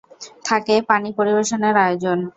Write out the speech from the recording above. থাকে পানি পরিবেশনের আয়োজন।